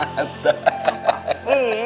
pakai berlinang air mata